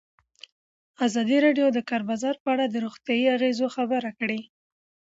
ازادي راډیو د د کار بازار په اړه د روغتیایي اغېزو خبره کړې.